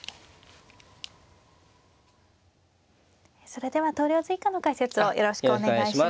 それでは投了図以下の解説をよろしくお願いします。